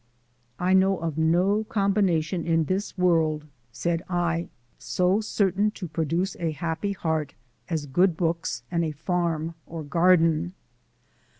"I know of no combination in this world," said I, "so certain to produce a happy heart as good books and a farm or garden."